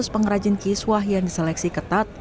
dua ratus pengrajin kiswah yang diseleksi ketat